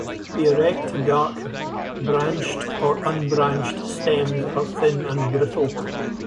The erect, dark, branched or unbranched stems are thin and brittle.